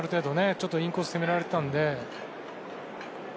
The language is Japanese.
ちょっとインコースを攻められてたんで。